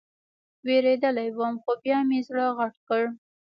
وېرېدلى وم خو بيا مې زړه غټ کړ.